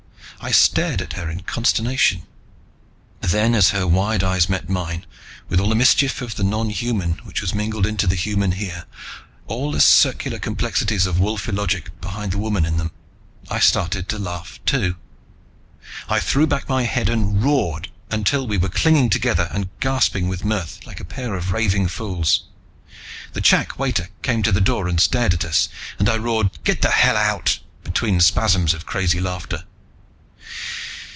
I stared at her in consternation. Then, as her wide eyes met mine, with all the mischief of the nonhuman which has mingled into the human here, all the circular complexities of Wolf illogic behind the woman in them, I started to laugh too. I threw back my head and roared, until we were clinging together and gasping with mirth like a pair of raving fools. The chak waiter came to the door and stared at us, and I roared "Get the hell out," between spasms of crazy laughter.